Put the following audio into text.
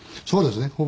そうですね。